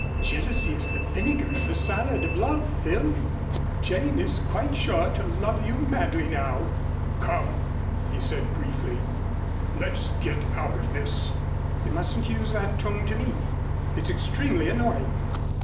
Jealousy is the vinegar of the salad of love, Phil. Jane is quite sure to love you madly now." "Come," he said briefly, "let's get out of this." "You mustn't use that tone to me. It's extremely annoying."